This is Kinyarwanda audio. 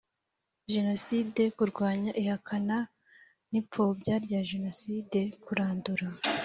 Jenoside kurwanya ihakana n ipfobya rya Jenoside kurandura